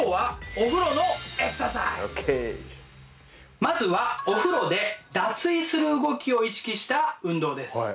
まずはお風呂で脱衣する動きを意識した運動です。